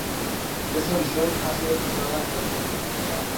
Esta solución ha sido aceptada en gran medida.